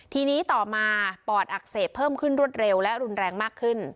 ทีนี้ต่อมาปอดอักเสบเพิ่มขึ้นรวดเร็วและรุนแรงมากขึ้น